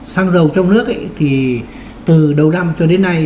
xăng dầu trong nước thì từ đầu năm cho đến nay